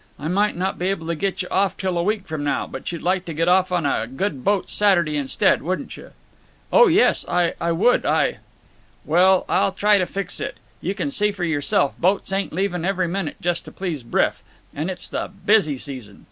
I might not be able to get you off till a week from now, but you'd like to get off on a good boat Saturday instead, wouldn't you?" "Oh yes; I would. I—" "Well, I'll try to fix it. You can see for yourself; boats ain't leaving every minute just to please Bryff. And it's the busy season.